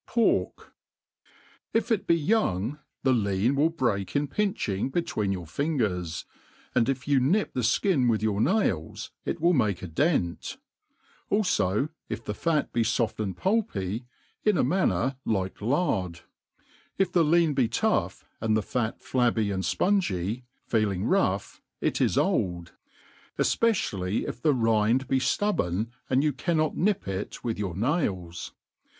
Port. ^•'.' IF k be ^Qungt the lean will break in pinching between yotir fiogert , and if you nip thb ikio with your nails, it wiM liiakea. dent ;. alfo if the fat be foft and pulpy; in a manner like lard ; if the lean be tough, and the fac flabby and (^ngy, feeling rough, it is old j efpecially if the rind be ftubbOrn, and you cannot n}|> it wj^h yoar nails.